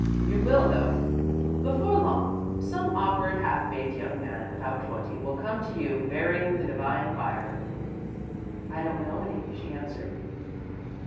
"You will, though, before long. Some awkward, half baked young man about twenty will come to you, bearing the divine fire." "I don't know any," she answered.